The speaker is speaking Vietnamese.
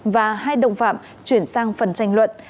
và hai đồng phạm chuyển sang phần tranh luận